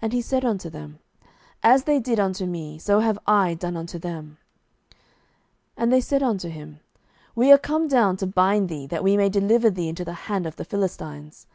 And he said unto them, As they did unto me, so have I done unto them. 07:015:012 And they said unto him, We are come down to bind thee, that we may deliver thee into the hand of the Philistines.